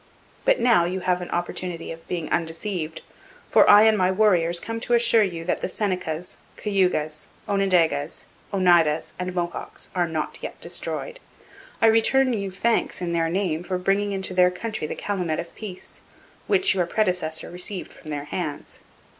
But now you have an opportunity of being undeceived, for I and my warriors come to assure you that the Senecas, Cayugas, Onondagas, Oneidas, and Mohawks are not yet destroyed. I return you thanks in their name for bringing into their country the calumet of peace, which your predecessor received from their hands.